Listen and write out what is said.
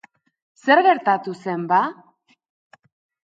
Zer gertatuko zen, ba?